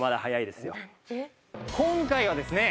今回はですね